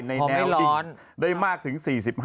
ในแนวได้มากถึง๔๕